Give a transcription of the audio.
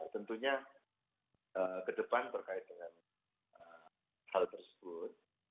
tentunya ke depan berkait dengan hal tersebut